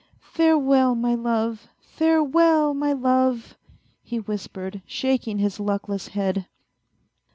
" Farewell, my love ! Farewell, my love !" he whispered, shaking his luckless head.